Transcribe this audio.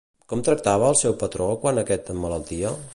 Com tractava al seu patró quan aquest emmalaltia?